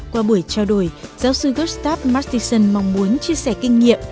qua buổi trao đổi giáo sư gustav martinsson mong muốn chia sẻ kinh nghiệm